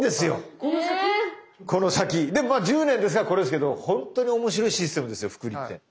でもまあ１０年ですからこれですけど本当に面白いシステムですよ複利って。